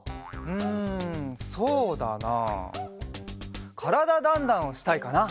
うんそうだなあ「からだ☆ダンダン」をしたいかな。